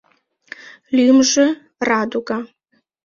Лӱмжӧ — Радуга.